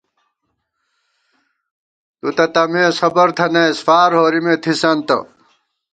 تُو تہ تمېس خبر تھنئیس فار ہورِمے تھِسنتہ